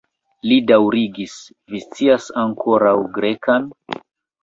Li daŭrigis: "Vi scias ankaŭ la Grekan?"